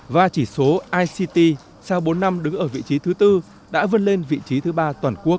và chỉ số ict sau bốn năm đứng ở vị trí thứ tư đã vươn lên vị trí thứ ba toàn quốc